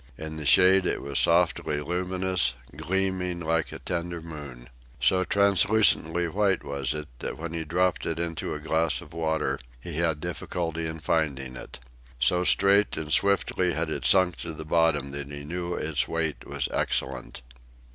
In the shade it was softly luminous, gleaming like a tender moon. So translucently white was it, that when he dropped it into a glass of water he had difficulty in finding it. So straight and swiftly had it sunk to the bottom that he knew its weight was excellent.